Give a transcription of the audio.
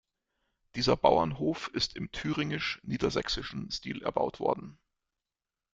Dieser Bauernhof ist im thüringisch-niedersächsischen Stil erbaut worden.